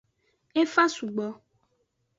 E fa sugbo.